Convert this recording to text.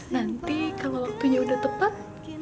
nanti kalau waktunya udah tepat